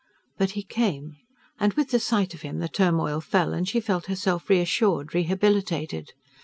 But he came; and with the sight of him the turmoil fell and she felt herself reassured, rehabilitated.